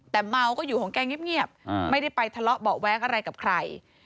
แต่เมาก็อยู่ของแกเงียบไม่ได้ไปทะเลาะเบาะแว้งอะไรกับใคร